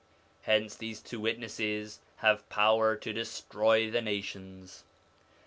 Hence these two witnesses have power to destroy the nations.